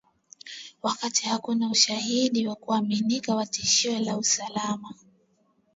Wakati hakuna ushahidi wa kuaminika wa tishio la usalama.